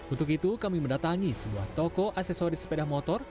untuk itu kami mendatangi sebuah toko aksesoris sepeda motor